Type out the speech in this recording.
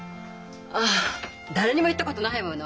ああ誰にも言ったことないもの。